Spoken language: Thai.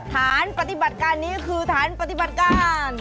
ฐานปฏิบัติการนี้คือฐานปฏิบัติการ